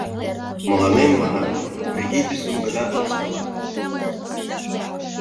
Мыланем, манам, вредительствым гына ыштылат.